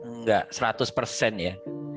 nggak seratus persen ya